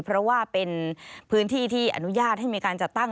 เพราะว่าเป็นพื้นที่ที่อนุญาตให้มีการจัดตั้ง